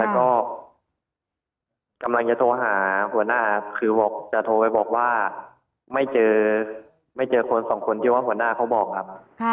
แล้วก็กำลังจะโทรหาหัวหน้าครับคือบอกจะโทรไปบอกว่าไม่เจอไม่เจอคนสองคนที่ว่าหัวหน้าเขาบอกครับ